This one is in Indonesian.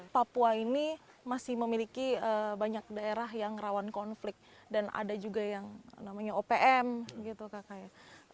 papua ini masih memiliki banyak daerah yang rawan konflik dan ada juga yang namanya opm gitu kakak ya